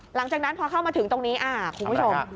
หลังจากนั้นพอเข้ามาถึงตรงนี้คุณผู้ชม